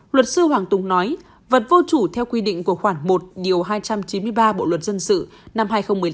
luật sư hoàng tùng nói vật vô chủ theo quy định của khoảng một hai trăm chín mươi ba bộ luật dân sự năm hai nghìn một mươi năm